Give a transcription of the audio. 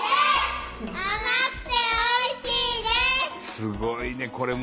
すごいねこれも。